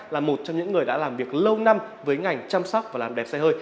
là một trong những người đã làm việc lâu năm với ngành chăm sóc và làm đẹp xe hơi